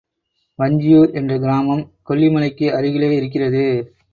வஞ்சியூர் என்ற கிராமம் கொல்லிமலைக்கு அருகிலே இருக்கிறது.